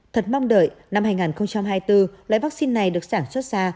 thật mong đợi năm hai nghìn hai mươi bốn loại vắc xin này được sản xuất ra